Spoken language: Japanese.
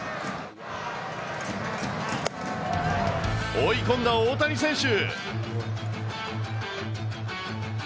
追い込んだ大谷選手。